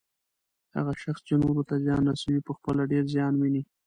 هغه شخص چې نورو ته زیان رسوي، پخپله ډیر زیان ويني